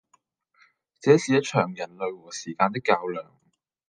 這是一場人類和時間的較量